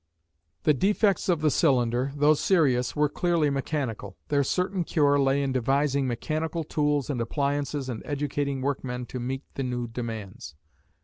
The defects of the cylinder, though serious, were clearly mechanical. Their certain cure lay in devising mechanical tools and appliances and educating workmen to meet the new demands.